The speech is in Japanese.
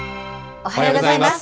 おはようございます。